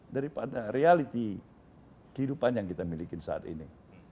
daripada reality kehidupan yang kita miliki saat ini